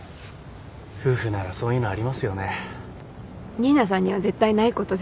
新名さんには絶対ないことです。